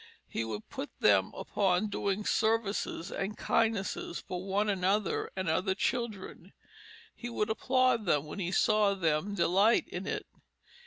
He would put them upon doing services and kindnesses for one another and other children. He would applaud them when he saw them delight in it.